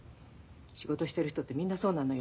仕事してる人ってみんなそうなのよ。